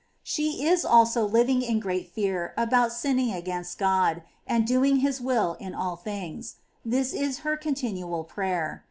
24. She is also living in great fear about sinning against God, and doing His will in all things ; this is her continual prayer.